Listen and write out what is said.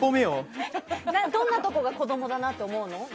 どんなところが子供だなと思うの？